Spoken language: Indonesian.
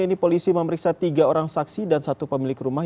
ini polisi memeriksa tiga orang saksi dan satu pemilik rumah